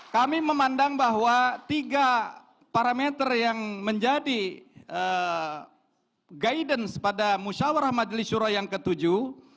kami memandang bahwa tiga parameter yang menjadi guidance pada musyawarah majelis syurah yang ketujuh